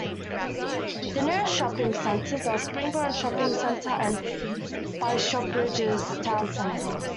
The nearest shopping centres are Springburn Shopping Centre and Bishopbriggs town centre.